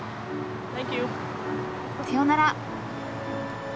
さようなら。